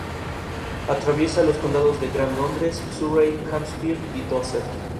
Atraviesa los condados de Gran Londres, Surrey, Hampshire y Dorset.